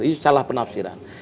itu salah penafsiran